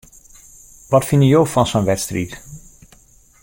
Wat fine jo fan sa'n wedstriid?